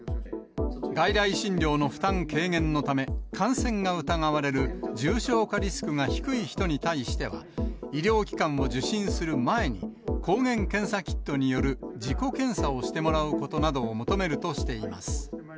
外来診療の負担軽減のため、感染が疑われる重症化リスクが低い人に対しては、医療機関を受診する前に、抗原検査キットによる自己検査をしてもらうことなどを求めるとしています。